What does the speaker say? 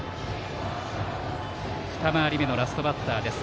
二回り目のラストバッターです。